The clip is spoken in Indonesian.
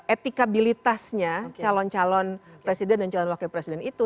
etikabilitasnya calon calon presiden dan calon wakil presiden itu